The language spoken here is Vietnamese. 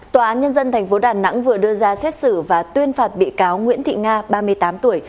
tòa án nhân dân tp đà nẵng vừa đưa ra xét xử và tuyên phạt bị cáo nguyễn thị nga ba mươi tám tuổi